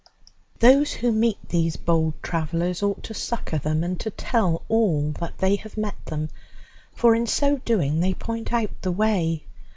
Those who meet these bold travellers ought to succour them, and to tell all that they have met them, for in so doing they point out the way.